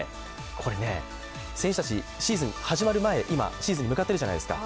選手たち、シーズン始まる前今シーズンに向かってるじゃないですか。